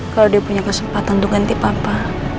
kalau dia punya kesempatan untuk ganti papa